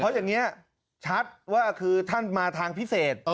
เพราะอย่างนี้ชัดว่าคือท่านมาทางพิเศษ